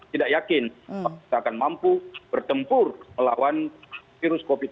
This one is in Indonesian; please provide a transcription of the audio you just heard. tidak yakin kita akan mampu bertempur melawan virus covid sembilan belas